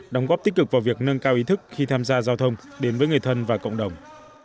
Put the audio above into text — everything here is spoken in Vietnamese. đóng góp tích cực vào việc nâng cao ý thức khi tham gia giao thông đến với người thân và cộng đồng